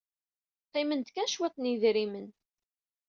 Qqimen-d kan cwiṭ n yedrimen.